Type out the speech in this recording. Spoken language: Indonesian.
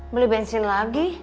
beli bensin lagi